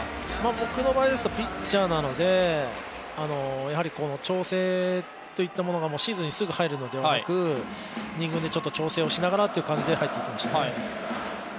僕の場合ですとピッチャーなので調整といったものがシーズンにすぐ入るのではなく、２軍でちょっと調整をしながらという感じで入ってきましたね。